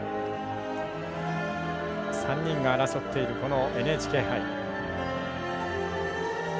３人が争っているこのＮＨＫ杯。